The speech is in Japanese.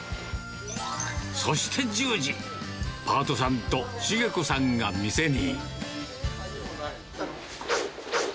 そして１０時、パートさんと重子さんが店に。